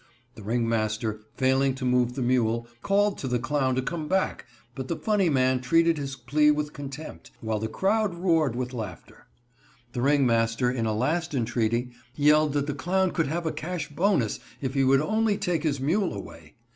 The ringmaster, failing to move the mule, called to the clown to come back, but the funny man treated his plea with contempt, while the crowd roared with laughter. The ringmaster, in a last entreaty, yelled that the clown could have a cash bonus if he would only take his mule away.